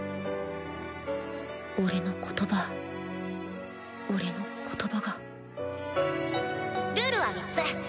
俺の言葉俺の言葉がルールは３つ！